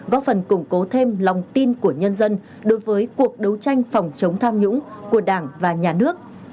góp phần củng cố thêm lòng tin của nhân dân đối với cuộc đấu tranh phòng chống tham nhũng của đảng và nhà nước